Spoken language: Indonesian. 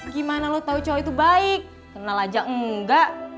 gimana lo tau cowok itu baik kenal aja enggak